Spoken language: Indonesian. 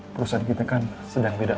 perusahaan kita kan sedang tidak